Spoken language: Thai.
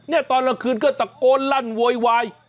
เนี่ยตอนละคืนก็ตะโกนลั่นโวยวาย